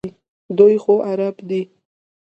دوی خو عرب دي.